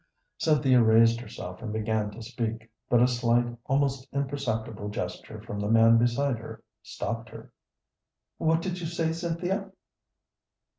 Cynthia raised herself and began to speak, but a slight, almost imperceptible gesture from the man beside her stopped her. "What did you say, Cynthia?"